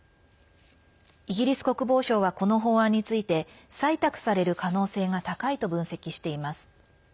イギリス国防省はこの法案について採択される可能性が高いと分析しています。